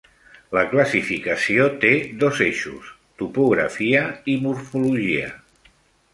La classificació té dos eixos: topografia i morfologia.